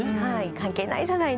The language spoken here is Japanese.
「関係ないじゃないの？